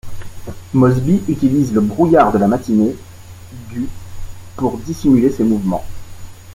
Mosby utilise le brouillard de la matinée du pour dissimuler ses mouvements.